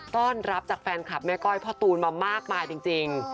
ต้อนรับจากแฟนคลับแม่ก้อยพ่อตูนมามากมายจริง